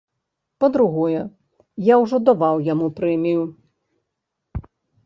Па-другое, я ўжо даваў яму прэмію.